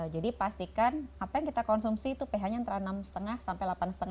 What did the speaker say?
jadi pastikan apa yang kita konsumsi itu ph nya antara enam lima sampai delapan lima